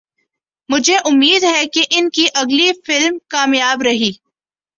مجھے امید ہے کہ ان کی اگلی فلم کامیاب رہی